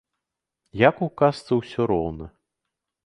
Як у казцы ўсё роўна.